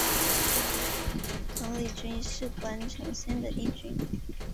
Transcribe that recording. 亘理郡是宫城县的一郡。